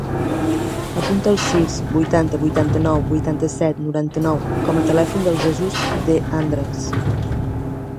Apunta el sis, vuitanta, vuitanta-nou, vuitanta-set, noranta-nou com a telèfon del Jesús De Andres.